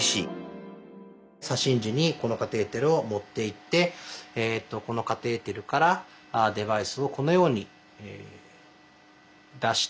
左心耳にこのカテーテルを持っていってこのカテーテルからデバイスをこのように出して。